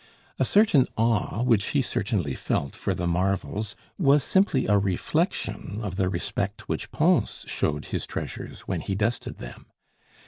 A certain awe which he certainly felt for the marvels was simply a reflection of the respect which Pons showed his treasures when he dusted them.